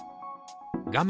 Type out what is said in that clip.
画面